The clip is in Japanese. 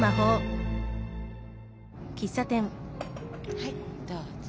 はいどうぞ。